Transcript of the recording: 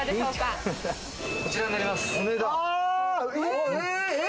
こちらになります。